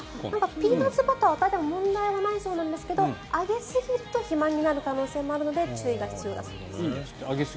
ピーナツバターをあげるのは問題ないそうなんですがあげすぎると肥満になる可能性もあるので注意が必要だそうです。